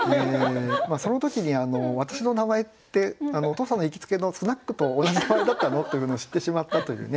その時に「私の名前ってお父さんの行きつけのスナックと同じ名前だったの」というのを知ってしまったというね。